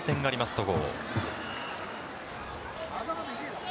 戸郷。